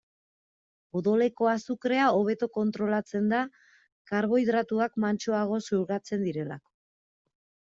Odoleko azukrea hobeto kontrolatzen da, karbohidratoak mantsoago xurgatzen direlako.